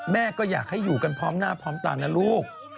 แม่ก็อยากให้อยู่กันพร้อมหน้าพร้อมตานะลูก